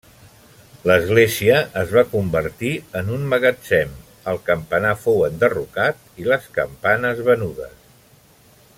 L'església es va convertir en un magatzem, el campanar fou enderrocat i les campanes venudes.